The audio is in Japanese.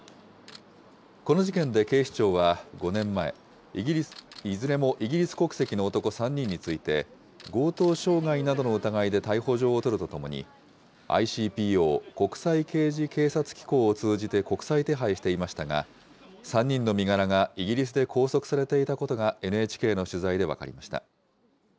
この事件で、警視庁は５年前、いずれもイギリス国籍の男３人について、強盗傷害などの疑いで逮捕状を取るとともに、ＩＣＰＯ・国際刑事警察機構を通じて国際手配していましたが、３人の身柄がイギリスで拘束されていたことが、ＮＨＫの取材で分かりました。